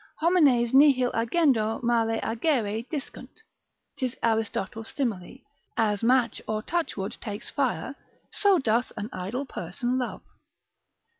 Homines nihil agendo male agere discunt; 'tis Aristotle's simile, as match or touchwood takes fire, so doth an idle person love.